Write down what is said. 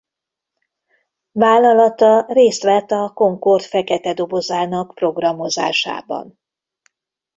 Vállalata részt vett a Concorde fekete dobozának programozásában.